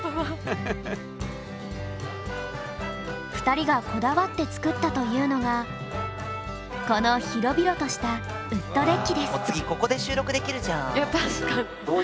２人がこだわって作ったというのがこの広々としたウッドデッキです。